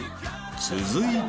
［続いて］